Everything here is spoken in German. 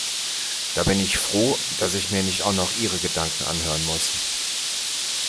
Da bin ich froh, dass ich mir nicht auch noch ihre Gedanken anhören muss.